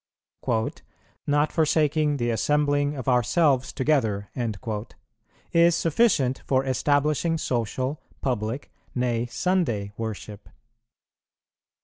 "Not forsaking the assembling of ourselves together" is sufficient for establishing social, public, nay, Sunday worship.